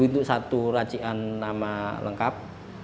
lima puluh itu satu racian nama lengkap